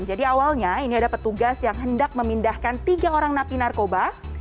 jadi awalnya ini ada petugas yang hendak memindahkan tiga orang napi narkoba